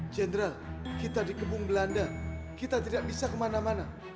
general kita di kebung belanda kita tidak bisa kemana mana